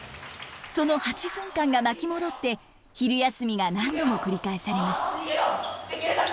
その８分間が巻き戻って昼休みが何度も繰り返されます。